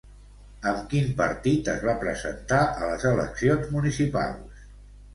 Amb quin partit es va presentar a les eleccions municipals?